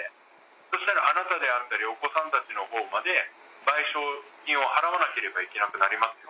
そしたら、あなたであったり、お子さんたちのほうまで賠償金を払わなければいけなくなりますよ。